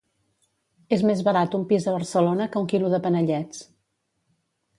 És més barat un pis a Barcelona que un quilo de panellets.